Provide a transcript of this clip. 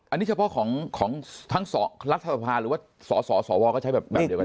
อันนี้เฉพาะของทั้งส่อรัฐสภาหรือว่าส่อส่อส่อวรก็ใช้แบบนี้กัน